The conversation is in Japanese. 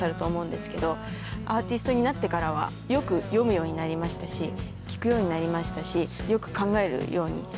アーティストになってからはよく読むようになりましたし聴くようになりましたしよく考えるように。